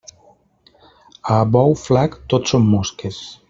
A bou flac tot són mosques.